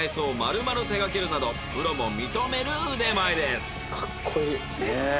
プロも認める腕前です。